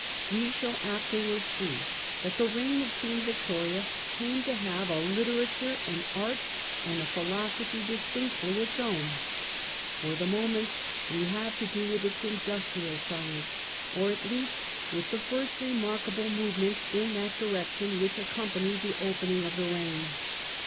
We shall afterwards see that the reign of Queen Victoria came to have a literature, an art, and a philosophy distinctly its own. For the moment we have to do with its industrial science ; or at least with the first remarkable movements in that direction which accompanied the opening of the reign.